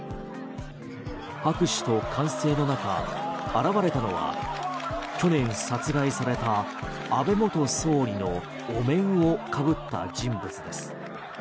拍手と歓声の中、現れたのは去年殺害された安倍元総理のお面をかぶった人物です。